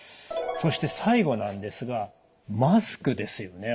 そして最後なんですがマスクですよね。